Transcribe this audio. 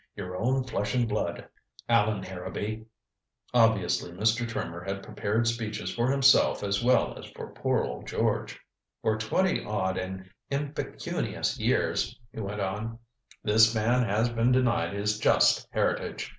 "Your own flesh and blood, Allan Harrowby." Obviously Mr. Trimmer had prepared speeches for himself as well as for poor old George. "For twenty odd and impecunious years," he went on, "this man has been denied his just heritage.